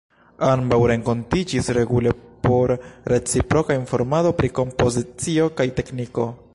Ambaŭ renkontiĝis regule por reciproka informado pri kompozicio kaj tekniko.